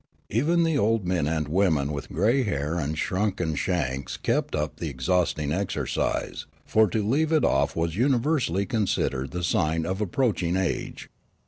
Even the old men and women with grey hair and shrunken shanks kept up the ex hausting exercise, for to leave it off was universally considered the sign of approaching age.